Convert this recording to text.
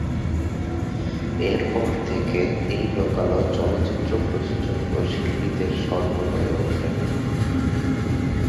এর পর থেকে এই লোকালয় চলচ্চিত্র প্রযোজক ও শিল্পীদের স্বর্গ হয়ে ওঠে।